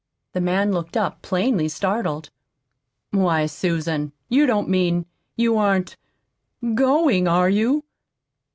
The man looked up, plainly startled. "Why, Susan, you don't mean you aren't GOING, are you?"